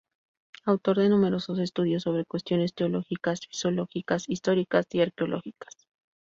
Autor de numerosos estudios sobre cuestiones teológicas, filosóficas, históricas y arqueológicas.